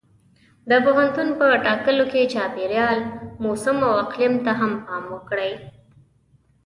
د پوهنتون په ټاکلو کې چاپېریال، موسم او اقلیم ته هم پام وکړئ.